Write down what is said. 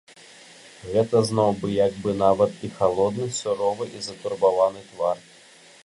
Гэта зноў быў як бы нават і халодны, суровы і затурбаваны твар.